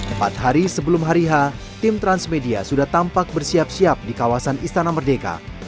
empat hari sebelum hari h tim transmedia sudah tampak bersiap siap di kawasan istana merdeka